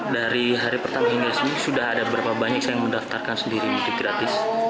dari hari pertama hingga ada berapa banyak yang mendaftarkan sendiri mudik gratis